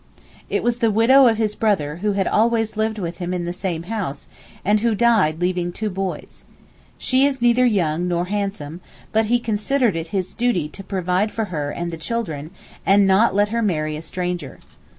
It was the widow of his brother who had always lived with him in the same house, and who died leaving two boys. She is neither young nor handsome, but he considered it his duty to provide for her and the children, and not to let her marry a stranger.